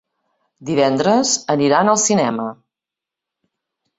Divendres aniran al cinema.